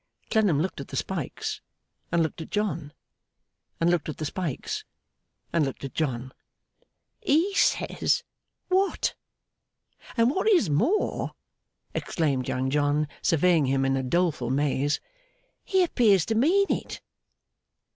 Clennam looked at the spikes, and looked at John; and looked at the spikes, and looked at John. 'He says What! And what is more,' exclaimed Young John, surveying him in a doleful maze, 'he appears to mean it!